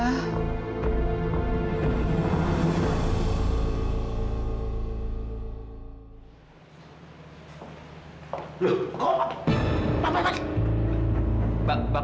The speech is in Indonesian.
lho kok pak maman pak maman